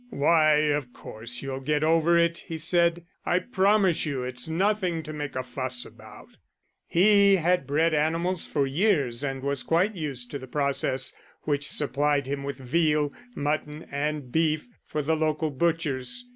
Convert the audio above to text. "Why, of course you'll get over it," he said. "I promise you it's nothing to make a fuss about." He had bred animals for years and was quite used to the process which supplied him with veal, mutton, and beef, for the local butchers.